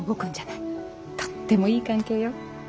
とってもいい関係よ。